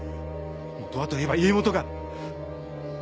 本はといえば家元が。